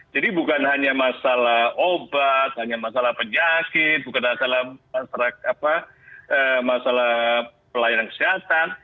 jadi bukan hanya masalah obat hanya masalah penyakit bukan hanya masalah pelayanan kesehatan